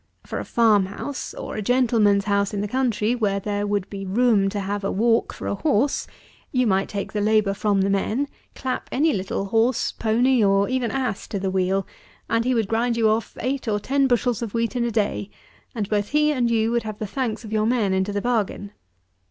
For a farm house, or a gentleman's house in the country, where there would be room to have a walk for a horse, you might take the labour from the men, clap any little horse, pony, or even ass to the wheel; and he would grind you off eight or ten bushels of wheat in a day, and both he and you would have the thanks of your men into the bargain.